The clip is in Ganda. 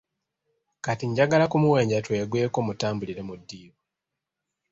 Kati njagala kumuwenja twegweko mutambulire mu ddiiru.